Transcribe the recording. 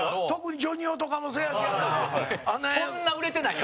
陣内：そんな売れてないよ。